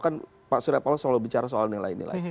kan pak surya paloh selalu bicara soal nilai nilai